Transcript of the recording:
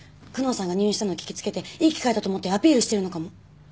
久能さんが入院したの聞き付けていい機会だと思ってアピールしてるのかも。